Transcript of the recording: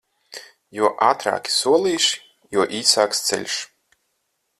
Jo ātrāki solīši, jo īsāks ceļš.